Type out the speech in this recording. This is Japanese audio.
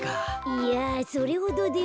いやそれほどでも。